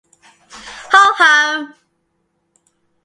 Ho hum.